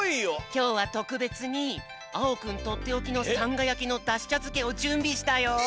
きょうはとくべつにあおくんとっておきのさんがやきのダシちゃづけをじゅんびしたよ。